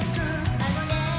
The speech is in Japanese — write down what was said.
あのね